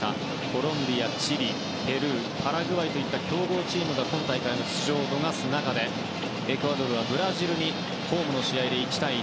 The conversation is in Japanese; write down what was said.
コロンビア、チリ、ペルーパラグアイといった強豪チームが今大会出場を逃す中でエクアドルはブラジルにホームの試合で１対１。